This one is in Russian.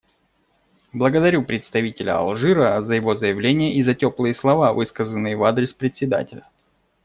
Благодарю представителя Алжира за его заявление и за теплые слова, высказанные в адрес Председателя.